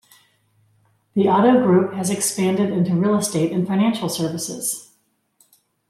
The Otto group has expanded into real estate and financial services.